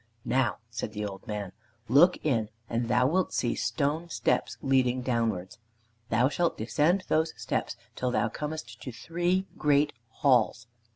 "Now," said the old man, "look in and thou wilt see stone steps leading downwards. Thou shalt descend those steps until thou comest to three great halls.